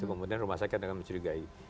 itu kemudian rumah sakit dengan mencurigai